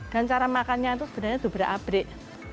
dan cara makannya itu sebenarnya dubra abrik